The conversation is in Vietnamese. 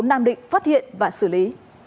nam định phát hiện và xử lý